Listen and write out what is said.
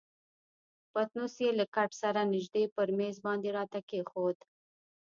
پتنوس یې له کټ سره نژدې پر میز باندې راته کښېښود.